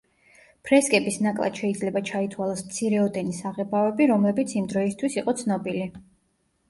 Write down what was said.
ფრესკების ნაკლად შეიძლება ჩაითვალოს მცირეოდენი საღებავები, რომლებიც იმ დროისთვის იყო ცნობილი.